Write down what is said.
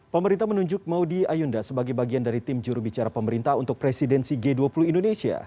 pemerintah menunjuk maudie ayunda sebagai bagian dari tim jurubicara pemerintah untuk presidensi g dua puluh indonesia